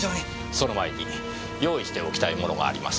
その前に用意しておきたい物があります。